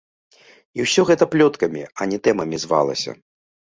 І ўсё гэта плёткамі, а не тэмамі звалася.